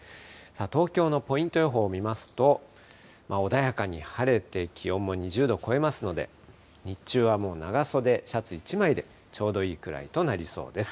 東京のポイント予報見ますと、穏やかに晴れて、気温も２０度超えますので、日中はもう長袖シャツ１枚でちょうどいいくらいとなりそうです。